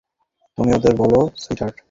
তুমিই ওদের বোলো, সুইটহার্ট।